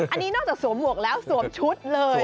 อันนี้นอกจากสวมหวกแล้วสวมชุดเลย